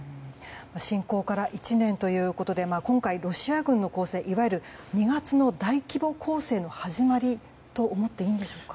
侵攻から１年ということで今回、ロシア軍の攻勢いわゆる２月の大規模攻勢の始まりと思っていいんでしょうか。